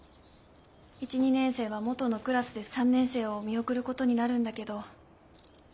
１２年生は元のクラスで３年生を見送ることになるんだけど。